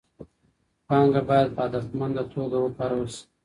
پانګه باید په هدفمنه توګه وکارول سي.